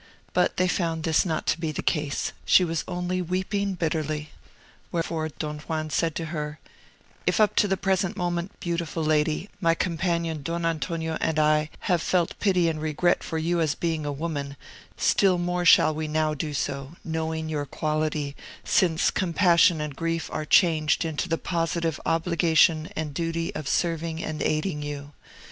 But they found this not to be the case; she was only weeping bitterly. Wherefore Don Juan said to her, "If up to the present moment, beautiful lady, my companion Don Antonio, and I, have felt pity and regret for you as being a woman, still more shall we now do so, knowing your quality; since compassion and grief are changed into the positive obligation and duty of serving and aiding you.